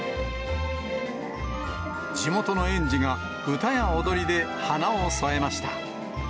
地元の園児が歌や踊りで花を添えました。